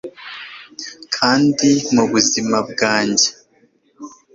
kandi mubuzima bwanjye